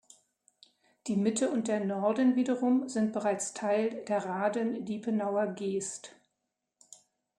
Die Mitte und der Norden wiederum sind bereits Teil der Rahden-Diepenauer Geest.